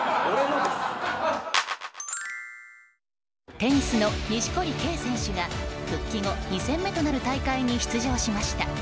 テニスの錦織圭選手が復帰後２戦目となる大会に出場しました。